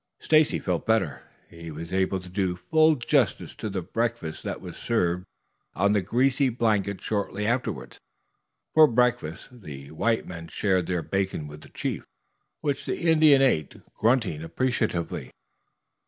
Stacy felt better. He was able to do full justice to the breakfast that was served on the greasy blanket shortly afterwards. For breakfast the white men shared their bacon with the chief, which the Indian ate, grunting appreciatively.